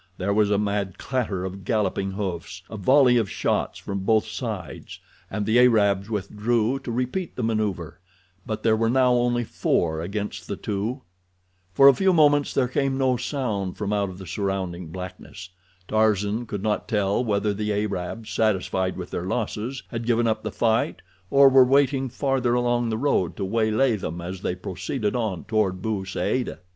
There was a mad clatter of galloping hoofs, a volley of shots from both sides, and the Arabs withdrew to repeat the maneuver; but there were now only four against the two. For a few moments there came no sound from out of the surrounding blackness. Tarzan could not tell whether the Arabs, satisfied with their losses, had given up the fight, or were waiting farther along the road to waylay them as they proceeded on toward Bou Saada.